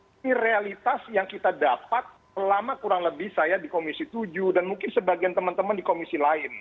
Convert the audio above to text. ini realitas yang kita dapat selama kurang lebih saya di komisi tujuh dan mungkin sebagian teman teman di komisi lain